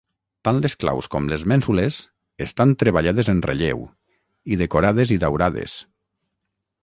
Tant les claus com les mènsules estan treballades en relleu, i decorades i daurades.